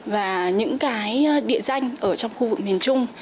và những cái địa danh ở trong khu vực miền trung